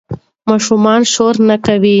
ماشومان شور نه کوي.